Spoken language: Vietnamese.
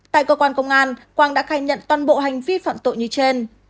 tại cơ quan công an quang đã khai nhận toàn bộ hành vi phạm tội như trên